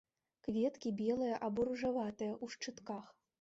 Кветкі белыя або ружаватыя, у шчытках.